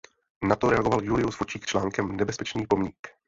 Na to reagoval Julius Fučík článkem "Nebezpečný pomník".